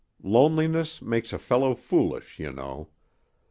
Loneliness makes a fellow foolish, you know.